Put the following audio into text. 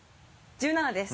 １７です。